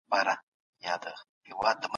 دوی خپلو ژمنو ته ژمن وو.